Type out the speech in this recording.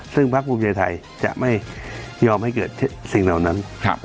ซึ่งภาคภูมิใจไทยจะไม่ยอมให้เกิดสิ่งเหล่านั้น